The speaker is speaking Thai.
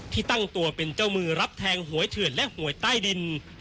ที่ตั้งตัวเป็นเจ้ามือรับแทงหวยเถื่อนและหวยใต้ดิน